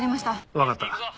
わかった。